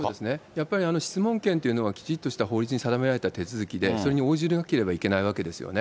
やっぱり質問権っていうのは、きちっとした法律に定められた手続きで、それに応じなければいけないわけですよね。